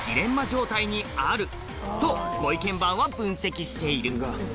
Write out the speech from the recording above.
状態にあるとご意見番は分析している